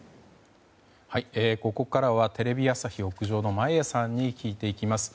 ここからはテレビ朝日屋上の眞家さんに聞いていきます。